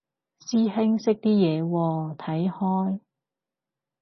師兄識啲嘢喎，睇開？